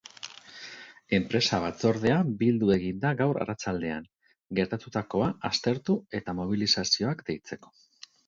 Enpresa batzordea bildu egin da gaur arratsaldean, gertatutakoa aztertu eta mobilizazioak deitzeko.